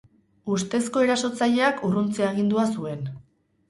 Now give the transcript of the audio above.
Ustezko erasotzaileak urruntze agindua zuen.